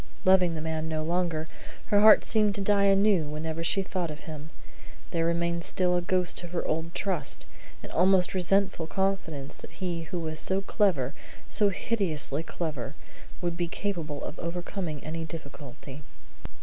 Loving the man no longer, her heart seeming to die anew whenever she even thought of him, there remained still a ghost of her old trust; an almost resentful confidence that he who was so clever, so hideously clever, would be capable of overcoming any difficulty.